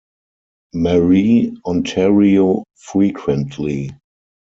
Marie, Ontario frequently.